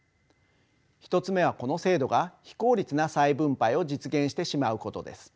１つ目はこの制度が非効率な再分配を実現してしまうことです。